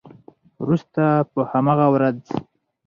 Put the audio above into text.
وروسته په همغه ورځ